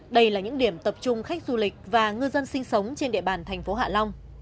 đây là những điểm tập trung khách du lịch và ngư dân sinh sống trên địa bàn thành phố hạ long